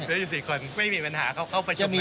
หรืออยู่๔คนไม่มีปัญหาเข้าประชุมกันได้